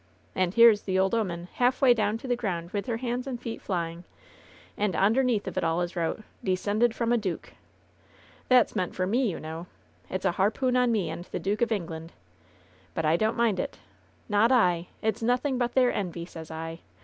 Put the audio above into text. And here's the old 'oman halfway down to the ground with her hands and feet flying. And ondemeath of it all is wrote, 'Descended from a duke.' That's meant for me, you know ! It's a harpoon on me and the Duke of England ! But I don't mind it ! Not I ! It's nothing but their envy, sez I.